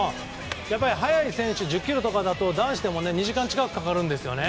速い選手、１０ｋｍとかだと男子でも２時間近くかかるんですよね。